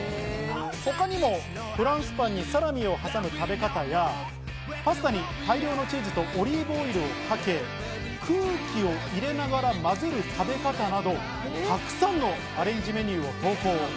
他にもフランスパンにサラミを挟む食べ方や、パスタに大量のチーズとオリーブオイルをかけ、空気を入れながらまぜる食べ方など、たくさんのアレンジメニューを投稿。